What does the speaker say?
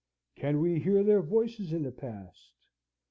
Can we hear their voices in the past?